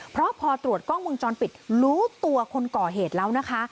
เพราะพอตรวจกล้องมุมจรปิดรู้ตัวคนก่อเหตุแล้วนะคะ